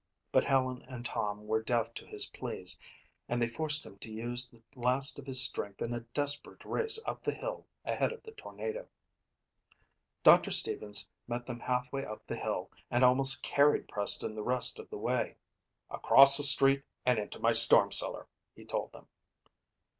But Helen and Tom were deaf to his pleas and they forced him to use the last of his strength in a desperate race up the hill ahead of the tornado. Doctor Stevens met them half way up the hill and almost carried Preston the rest of the way. "Across the street and into my storm cellar," he told them.